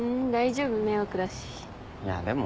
いやでも。